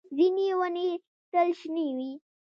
ځینې ونې تل شنې وي